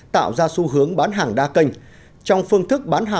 tạo ra xu hướng bán hàng đa kênh